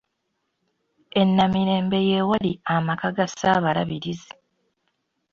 E Namirembe ye wali amaka ga Ssaabalabirizi.